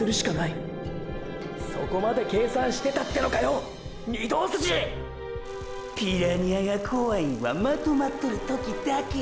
そこまで計算してたってのかよ御堂筋！！ピラニアが怖いんはまとまっとる時だけや。